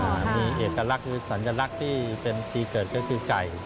มีเอกลักษณ์คือสัญลักษณ์ที่เป็นปีเกิดก็คือไก่